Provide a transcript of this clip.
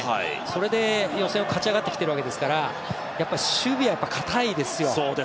それで予選を勝ち上がってきているわけですからやっぱ守備は堅いですよ。